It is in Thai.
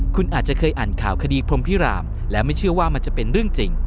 คุณอาจจะเคยอ่านข่าวคดีพรมพิรามและไม่เชื่อว่ามันจะเป็นเรื่องจริง